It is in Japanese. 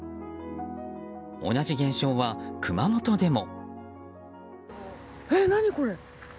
同じ現象は熊本でも。